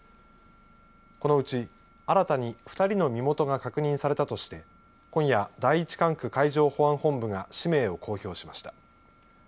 このうち、新たに２人の身元が確認されたとして今夜、第１管区海上保安本部が氏名を公表しました。